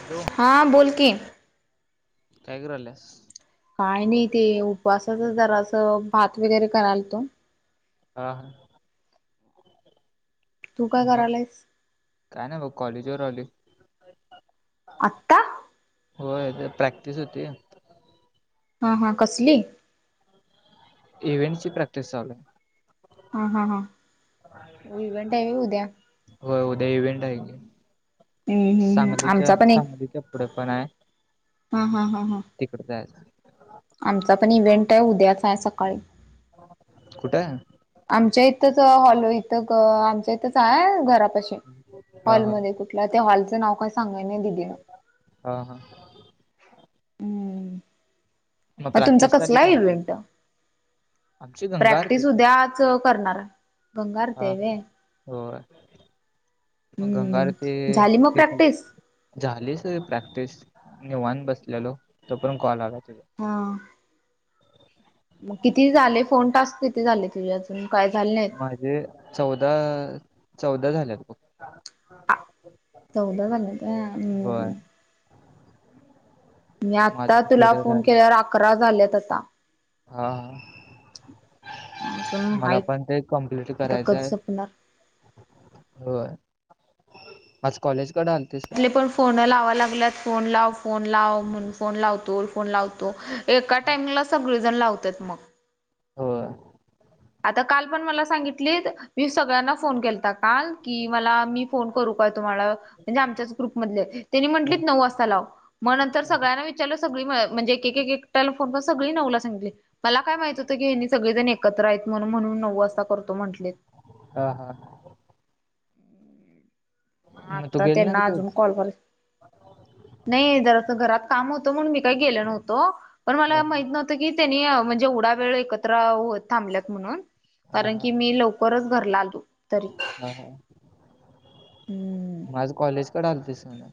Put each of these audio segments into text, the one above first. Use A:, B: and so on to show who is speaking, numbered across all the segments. A: Hello.
B: हां बोल की.
A: काय करायल्यास?
B: काय नाही, ते उपवासाचच जरा असं भात वगैरे करायल तो.
A: हा ह.
B: तू काय करायलायस?
A: काय नाय बघ, कॉलेज वर आलोय.
B: आत्ता
A: होय, ते प्रॅक्टिस होती.
B: हा हां, कसली?
A: इव्हेंटची प्रॅक्टिस चालूय.
B: हा हा हां, इव्हेंट हाय व्हय उद्या?
A: हो, उद्या इव्हेंट हाय की.
B: हम्म हम्म हम्म
A: सांगलीच्या
B: आमचा पण एक
A: सांगलीच्या पुढे पण हाय.
B: हा हा हा हा.
A: तिकड जायचं.
B: आमचा पण इव्हेंट आहे, उद्याचा सकाळी.
A: कुठय?
B: आमच्या इथंच हॉल इथ आमच्या इथंच हाय घरापाशी
A: हा हा
B: हॉलमध्ये त्या हॉलचं नाव काय सांगेना दिदीनं.
A: हा हा.
B: हम्म, मग तुमचा
A: प्रॅक्टिस झाली का
B: कसलाय
A: नाही
B: इव्हेंट?
A: तुमची आमची गंगा
B: प्रॅक्टिस
A: आरतीच आहे
B: उद्याच करणारे. गंगा [unintelligible]
A: हा हा.
B: व्हय.
A: होय, मग गंगा
B: हम्म झाली मग प्रॅक्टिस
A: [unintelligible] झालीचे प्रॅक्टिस निवांत बसलेलो, तोपर्यंत कॉल आला तुझं.
B: हा. मग किती झाले? फोन टास्क किती झाले तुझे? अजून काय झाले नाहीत?
A: म्हणजे चौदा चौदा झाल्यात बघ.
B: आ चौदा झाले का
A: होय
B: आणि मी आता
A: माझं
B: तुला
A: थोडं
B: फोन
A: राहिलं
B: केल्यावर अकरा झाल्यात आता.
A: हा हा.
B: अजून
A: मला
B: हाईत
A: पण ते कंप्लीट
B: आता कधी
A: करायचंय.
B: संपणार
A: होय, आज कॉलेजकड आलतीस?
B: आपले पण फोन लावा लागल्यात. फोन लाव, फोन लाव म्हणून फोन लावतो, फोन लावतो एका टाइमला सगळीजण लावत्यात मग
A: होय.
B: आता काल पण मला सांगितलीत, मी सगळ्यांना फोन केलता. आल की मला मी फोन करू का तुम्हाला? म्हणजे आमच्याच ग्रुपमधले त्यांनी म्हटलीत नऊ वाजता लाव. मग नंतर सगळ्यांना विचारलं सगळी म्ह म्हणजे एक एक एक एकटला फोन करून सगळी नऊला सांगितली. मला काय माहित होतं की हेनी सगळेजण एकत्र आहेत म्हणून म्हणून नऊ वाजता करतो म्हटलेत
A: हा हा मग तू
B: आता
A: गेली
B: त्यांना अजून
A: नव्हतीस?
B: कॉल बर नाही जरास घरात काम होतं म्हणून मी काही गेलो नव्हतो पण
A: हा
B: मला माहित नव्ह कि त्यांनी म्हणजे येवडा वेळ एकत्र व थांबल्यात म्हणून कारण की मी लव परत घरला आलतो
A: हम हम
B: हम्म.
A: माझ कॉलेजकडे आलतीस म्हण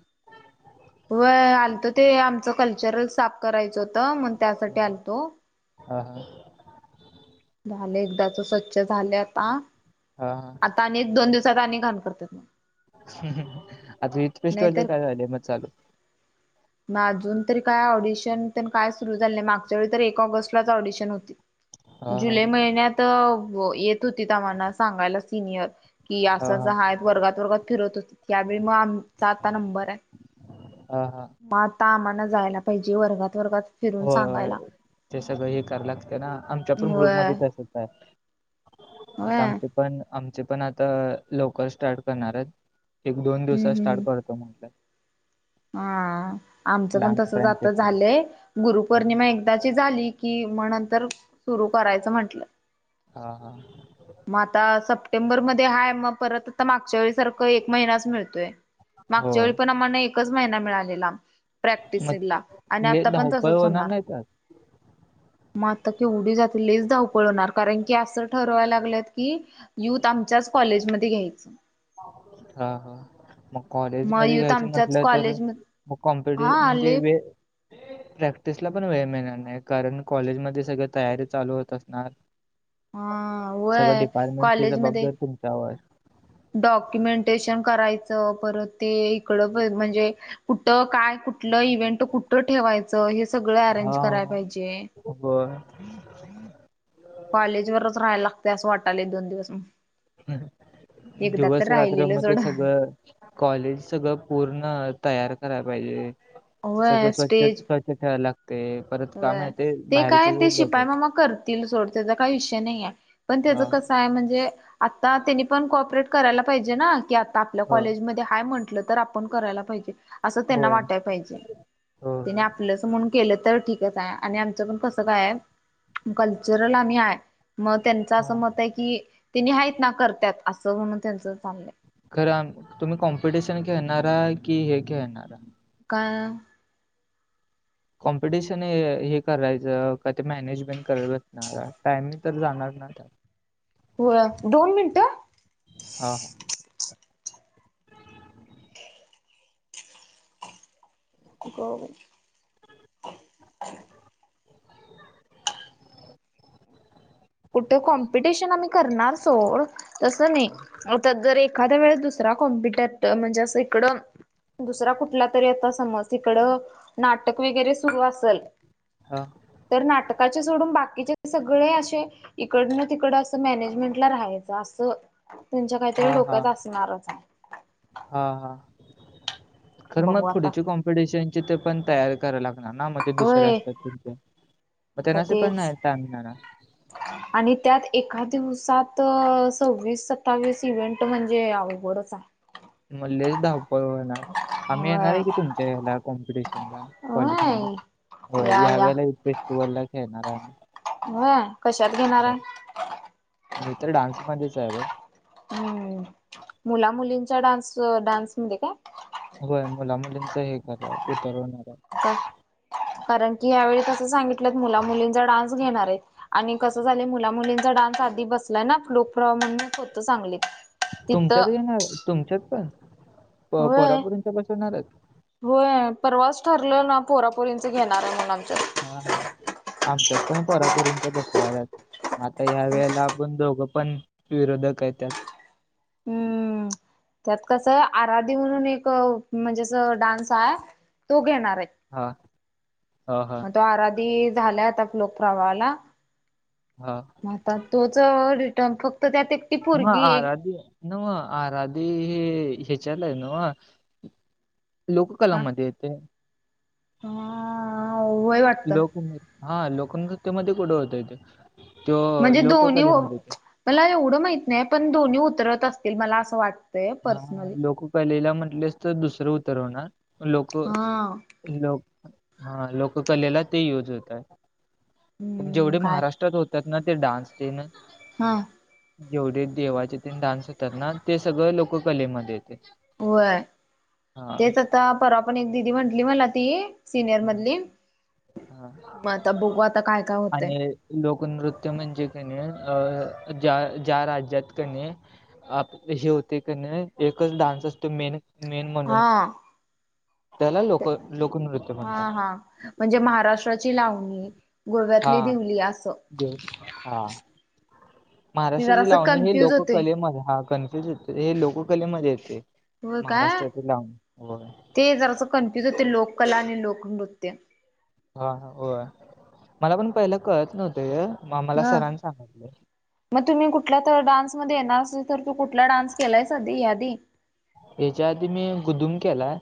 B: व्हय आलत ते आमचं कल्चरल साफ करायच होतं मग त्यासाठी आलतो
A: हा हा.
B: झाले एकदाच स्वच्छ झालंय आता
A: हा हां.
B: आत्ता आणि एक दोन दिवसात आणि घाण करत्यात
A: ह् ह आता इथ
B: नाहीतर
A: पेस्टोरच काय झालंय मग चालू
B: म अजून तरी काय ऑडिशन त्यन काय सुरू झालं मागच्या वेळी तर एक ऑगस्टलाच ऑडीशन हो
A: हा हा
B: जुलै महिन्यात येत होती आम्हाला सांगायला सिनियर की
A: हा
B: असंच
A: हा
B: हाय वर्गात वर्गात फिरत होती त्यावेळी मग आमचा आता नंबर हाय.
A: हा हा.
B: मग आता आम्हाला जायला पाहिजे वर्गात वर्गात फिरून
A: होय होय
B: सांगायला.
A: ते सगळं हे कराय लागते ना आमच्या
B: व्हय
A: ग्रुपमध्ये तसच आहे आता
B: व्हय
A: आमचे पण आमचे पण आता लवकर स्टार्ट करणार आहेत एक दोन दिवसात
B: हम्म हम्म
A: स्टार्ट करतो म्हटलाय
B: हा आमच पण तस आता
A: तेन.
B: झालय ये
A: हा
B: गुरुपौर्णिमा एकदाची झाली कि म नंतर सुरु करायचं म्हंटलं
A: हा हा.
B: मग आता सप टेंबर मध्ये हाय मग परत ता मागच्या वेळी सारखं एक महिनाच मिळतोय मागच्या
A: होय.
B: वेळी पण आम्हांना एकच महिना मिळालेला. प्रॅक्टिस
A: मग
B: ला आणि
A: लय
B: आता पण
A: धावपळ
B: तसच होणार
A: नाही त्यात?
B: मग आता केवढी जातील लैच धावपळ होणार कारण की असं ठर व्हायला लागल्यात की युथ आमच्याच कॉलेजमध्ये घ्यायच
A: हा हा. मग कॉलेज
B: मग
A: मध्ये
B: युथ
A: घ्यायचं
B: आमच्याच
A: म्हटलं तर
B: कॉलेज
A: मग कॉम्पिट
B: हा
A: म्हणजे
B: आले
A: वे प्रॅक्टिसला पण वेळ मिळणार नाही कारण कॉलेजमध्ये सगळी तयारी चालू होत असणार
B: अ होय
A: सगळं डिपार्टमेंटची
B: कॉलेजमध्ये
A: जबाबदारी तुमच्यावर.
B: डॉक्युमेंटेशन करायचं परत ते इकडं भेज म्हणजे कुठ काय कुठलं इव्हेंट कुठं ठेवायचं हे सगळं अरेंज करायला पाहिजे
A: हो पण.
B: कॉलेज वरच राहायला लागतय असं वाटलंय एक दोन दिवस
A: हम
B: एकदा तर
A: दिवस
B: राहिलेलं
A: रात्रमध्ये
B: सोड.
A: सगळं कॉलेज सगळं पूर्ण तयार कराय पाहिजे
B: होय
A: सगळं स्वच्छता स्वच्छता ठेव्हायला लागतय
B: वय, ते काय ते शिपायी मामा करतील सोड त्याचा काही विषय नाही. आहे पण त्यज
A: हां,
B: कस काय म्हणजे, आता त्यानी पण कोपरेट करायला पायजे ना, की आत्ता आपल्या
A: होय,
B: कॉलेजमध्ये हाय म्हण तर आपण करायला पाहिजे, असं त्यांना
A: होय,
B: वाटाय पाहिजे?
A: होय, होय.
B: आपलच म्हणून केलं तर ठीक आणि आमच पण कस काय कल्चरल आणी आय हे. मग त्यांच असं
A: हां.
B: मत आहे. की त्यांनी आहेत ना करतात असं म्हणून त्यांच चाललंय.
A: खरं तुम्ही कॉम्पिटिशन खेळणारा कि, हे खेळणारा
B: काय?
A: कॉम्पिटिशन हे करायचं का? ते मॅनेजमेंट करतणार टाइमिंग तर जाणार ना त्या
B: होय [unintelligible] दोन मिनटं.
A: हा हा!..
B: हो!.. तोय, कॉम्पिटिशन आम्ही करणार सोड, तस नाही. तर जर एखाद्या वेळे दुसरा कॉम्पिटरच म्हणजे, असं इकडं? दुसरा कुठला तरी यता समज तिकडं नाटक वगैरे, सुरू असेल?
A: हा!..
B: तर नाटकाचे सोडून बाकीचे सगळे असे? इकड न तिकड असं मॅनेजमेंट ला राहायचं असं. तुमच्या, काहीतरी डोक्यात असणारच आहे.
A: हा हा! खरं मग
B: बघू आता
A: पुढची कॉम्पि िकॉम्पिटेशनचे ते पण, तयार कराव लागणार ना? म्हणजे दुसरे
B: होय आता
A: असतात. म तेनासनी पण
B: तेच
A: नाही ना [unintelligible]
B: आणि त्यात एका दिवसात सव्वीस सत्तावीस इव्हेंट म्हणजे? आवड? बरंच आहे.
A: म लयधावपळ होणार, आम्ही येणार
B: होय
A: आहे की, तुमच्या हेला कॉम्पिटिशन ला. [inaudible] या वेळेला फेस्टिवल ला खेळणार आहे आही.
B: हो, कशात घेणार आहे?
A: मी तर डान्स मध्येच आहे. ग!
B: हम्म मुला मुलींचा डान्स डान्समध्येध का?
A: होय मुला मुलींचं हे करय उतरवणार आहे.
B: कारण, की यावेळी कसं, सांगितलंत मुला मुलींचा डान्स घेणार आहेत. आणि कसं झालं, मुला मुलींचा डान्स आधी, बसलाय ना ग्रूप म्हणूनच होतं चांगलीत.
A: तुमच्यात येणार तुमच्यात प
B: होय
A: पो्रापुरिनच बसवीणार हायत.
B: होय! परवास ठरलं ना पोरापोरींच घेणार आहे. म्हणून आमच्या.
A: हा हा!. आमच्यात पण परापुरींच्या बसवाळल्यात. आता ह्या वेळेला आपण दोघं पण विरोधक येतय.
B: हम्म त्यात कसं आहे, आराध म्हणून एक म्हणजे असं डान्स हाय, आहे तो, घेणार आहे.
A: हा! हा हा
B: मग तो! आराधी झालाय आता, लोक प्रवाहाला.
A: हा!
B: आता तोच रिटर्न फक्त त्यात!
A: हा
B: पोरगी एक
A: आराधी! नव! आराधे हे टिचला हया नव च नाव
B: का
A: लोककलामध्ये? ते..
B: हा वय वाटतं
A: लोक हा! लोकन्यकध्ये कुठं होतय तेे त्यो
B: म्हणजे दोन्ही ओ
A: लोककलेमध्ये ते
B: मला एवढं माहीत नाही पण दोन्ही उतरत असतील? मला असं वाट
A: हा! लोकलेला म्हंटलेस तर, दुसरं उतरवणार लोकं
B: हा
A: लोक हा! लोककलेला ते यूज होताय. पण
B: हम्म
A: जेवढे
B: काय
A: महाराष्ट्रात होतात ना? ते डान्स ते न.
B: हाह!
A: जेवढे देवाचे ते डान्स करणार ते, सगळं लोककलेमध्ये येतय.
B: होय तेच आता परवा पण, एक दिदी म्हंटली मला ती? सिनियर मधली
A: हा
B: मग आता बघू, आता काय काय होतेय?
A: आणि लोकनृत्य म्हणजे कनी, अ ज्या ज्या राज्यात कनी आप हे होतंय कनी. एकच डान्स असतो मेन मेन म्हणून.
B: हा
A: त्याला लोक
B: ते-
A: लोकनृत्य
B: हा
A: म्हणतात
B: हा म्हणजे महाराष्ट्राची लाव नी,
A: हा
B: गोव्यातली दिवली असं.
A: देव हा
B: ते जरा
A: महाराष्ट्राची
B: असं
A: लावणी हे
B: कन्फ्युज होते
A: लोककलेमध्ये हा कन्फ्युज हे लोककलेमध्ये येते.
B: होय काय
A: महाराष्ट्राची लावनी होय.
B: ते जरासं कन्फ्युज होते. लोककला आणि लोकनृत्य.
A: हा हा होय. मला पण पहिला कळत नव्हते हे. म मला
B: ह
A: सरान सांगितले.
B: मग तुम्ही कुठल्या तर डान्स मध्ये येणार असेल. तर तू कुठला डान्स केलायेस आधी याआधी.
A: हेच्या आधी मी गुदुम केलाय.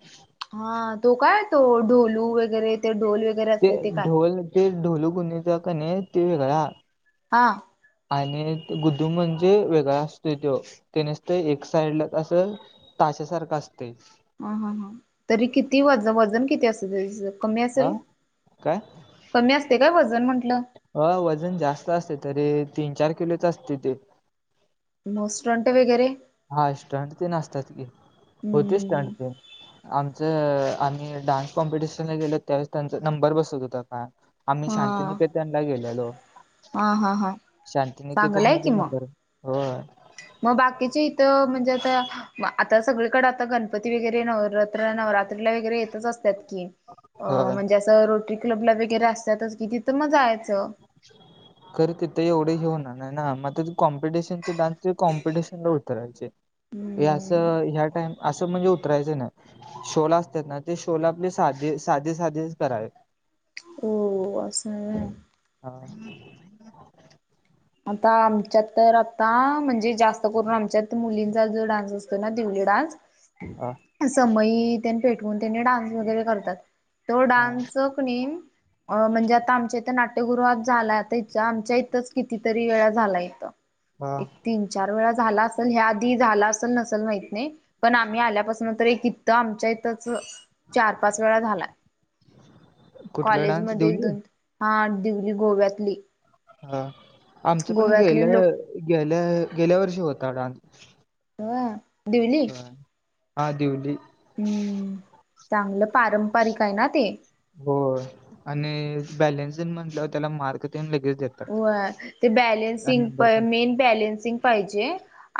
B: हा तो काय तो ढोलू वगैरे ते ढोल वगैरे
A: ते
B: असते काय
A: ढोल ते ढोलू गुणीच कनी ते वेगळं हायं.
B: हा.
A: आणि गुदुम म्हणजे वेगळा असतोय त्यो. ते नुसतं एक साइडला असं, ताशासारखं असतयं.
B: ह ह ह तरी किती वजन वजन किती असल तेचं? कमी
A: हा
B: असेल?
A: काय
B: कमी असतेय काय वजन म्हटलं.
A: अ वजन जास्त असतयं, तरी तीन चार किलोच असतयं ते.
B: म स्टंट वगैरे?
A: हा स्टंट ते असत्यात की. होते स्टंट
B: हम्म
A: पण. आमचं आम्ही डान्स कॉम्पिटिशनला गेलो. त्यावेळेस त्यांचा नंबर बसत होता का. आम्ही
B: हा
A: शांतनिकेतनला गेल्यालो.
B: हा हा हा
A: शांतनिकेतन मध्ये नंबर होय.
B: म बाकीच्या इथं म्हणजे आता मग आता सगळीकडे आता गणपती वगैरे, नवरात्र नवरात्रीला वगैरे येतच असत्यात की. अं
A: होय
B: म्हणजे असं रोटरी क्लब ला वगैरे असतातच कि, तिथं म जायाचं.
A: खर तिथं एवढे हे होणार नाही ना म तीथ कॉम्पिटिशन डान्सच्या कॉम्पटिशनला उतरायचं. हे
B: हम्म
A: असं ह्या टाईम असं म्हणजे उतरायचं नाय. शोला असत्यात ना, ते शोला आपले साधे साधे साधेच करावे.
B: ओ असंय.
A: हा.
B: आता आमच्यात तर आता म्हणजे जास्त करून आमच्यात मुलींचा जो डान्स अस तो ना दिवली डान्स,
A: हा
B: समई तेन पेटवून त्यांनी डान्स वगैरे करतात. तो डान्स कनी अन म्हणजे आता आमच्या इथं नाट्यगृहात झालाय. आता आमच्या इथंच कितीतरी वेळा झालाय इथं.
A: हा
B: तीन चार वेळा झाला असंल, ह्या आधी झाला असल नसल माहीत नाही. पण आम्ही आल्यापासून तरी कित तं आमच्या इथंच चार पाच वेळा झालाय.
A: कुठला
B: कॉलेज
A: डान्स
B: मध्ये एक
A: दिवली
B: दोन हा दीगंली गोव्यातली.
A: हा आमचं पण
B: गोव्यातले
A: गेल्या
B: लोक
A: गेल्या गेल्या वर्षी होता डान्स.
B: व्हय.
A: व्हय, हा दिवली.
B: हम्म, चांगलं पारंपरिक आहे ना ते.
A: होय. आणि बॅलेन्सिंन म्हटलं त्याला मार्क तेन लगेच देता.
B: व्हय, ते बॅलेन्सिंग
A: पण
B: मेन बॅलेन्सिंग पाहिजे.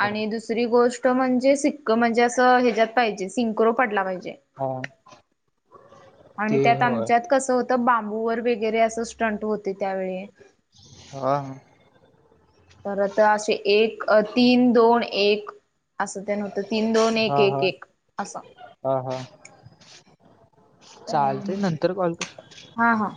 B: आणि दुस दुसरी गोष्ट म्हणजे, सिक्क म्हणजे असं ह्याच्यात पाहिजे. सिंक्रो पडला पाहिजे.
A: हां.
B: आणि त्यात आमच्यात कसं होतं, बांबूवर वगैरे असं स्टंट होतं. ते त्यावेळी
A: हा
B: तरता असे एक, तीन, दोन, एक. असं ते अन तीन दोन
A: हा
B: एक
A: हा
B: एक एक असं.
A: हा हा चालतंय,
B: हम्म.
A: नंतर कॉल कर.
B: हा हा.